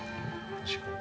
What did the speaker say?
確かに。